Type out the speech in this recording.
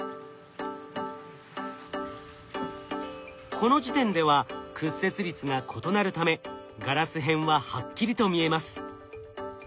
この時点では屈折率が異なるためガラス片ははっきりと見えます。